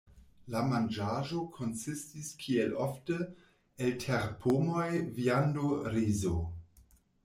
La manĝaĵo konsistis kiel ofte, el terpomoj, viando, rizo.